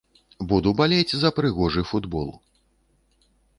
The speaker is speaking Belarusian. Буду балець за прыгожы футбол.